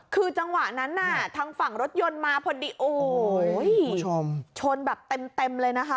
คือจังหวะนั้นน่ะทางฝั่งรถยนต์มาพอดิโอ้ยคุณผู้ชมชนแบบเต็มเต็มเลยนะคะ